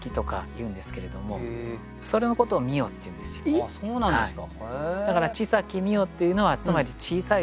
あっそうなんですか。